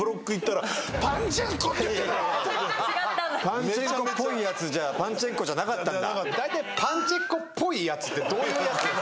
パンチェンコっぽいやつじゃパンチェンコじゃなかったんだ。